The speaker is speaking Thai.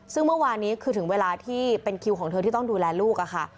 ซึ่งเมื่อวานนี้คือถึงเวลาที่เป็นคิวของเธอที่ต้องดูแลลูกค่ะ